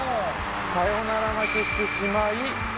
サヨナラ負けしてしまい。